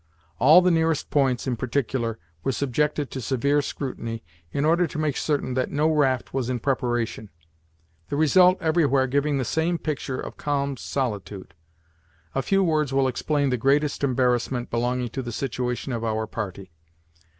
All the nearest points, in particular, were subjected to severe scrutiny, in order to make certain that no raft was in preparation; the result everywhere giving the same picture of calm solitude. A few words will explain the greatest embarrassment belonging to the situation of our party.